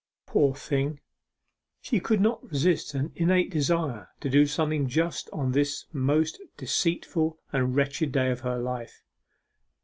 'Poor thing.' She could not resist an innate desire to do some just thing on this most deceitful and wretched day of her life.